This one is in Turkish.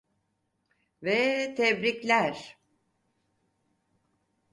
Ve tebrikler.